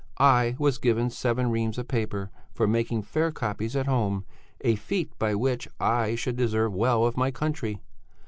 I was given seven reams of paper for making fair copies at home, a feat by which 'I should deserve well of my country.'